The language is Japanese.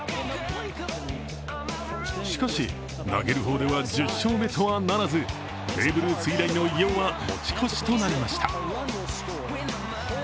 しかし、投げる方では１０勝目とはならず、ベーブ・ルース以来の偉業は持ち越しとなりました。